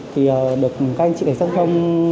thì được các anh chị đại sát giao thông